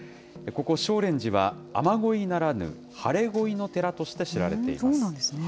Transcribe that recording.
ここ、生蓮寺は雨乞いならぬ晴れ乞いの寺として知られています。